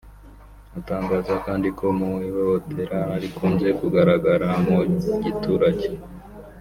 Atangaza kandi ko mu ihohotera rikunze kugaragara mu giturage